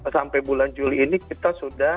sampai bulan juli ini kita sudah